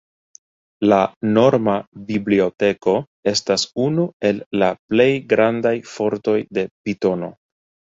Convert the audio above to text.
La norma biblioteko estas unu el la plej grandaj fortoj de Pitono.